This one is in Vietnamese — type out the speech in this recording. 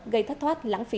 gây thất thoát lãng phí